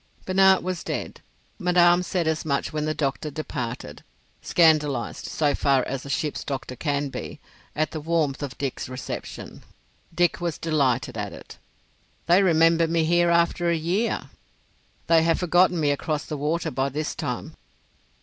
Binat was dead; Madame said as much when the doctor departed, scandalised, so far as a ship's doctor can be, at the warmth of Dick's reception. Dick was delighted at it. "They remember me here after a year. They have forgotten me across the water by this time.